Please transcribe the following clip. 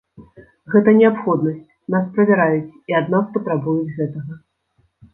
Гэта неабходнасць, нас правяраюць, і ад нас патрабуюць гэтага.